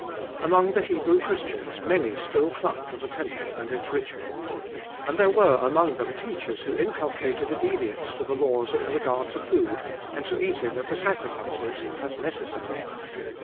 AMONG the Hebrew Christians many still clung to the temple and its ritual. And there were among them teachers who inculcated obedience to the laws in regard to food and to eating of the sacrifices as necessary.